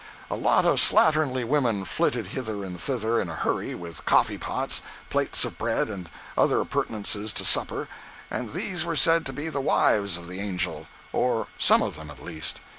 A lot of slatternly women flitted hither and thither in a hurry, with coffee pots, plates of bread, and other appurtenances to supper, and these were said to be the wives of the Angel—or some of them, at least.